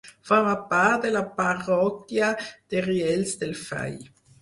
Forma part de la parròquia de Riells del Fai.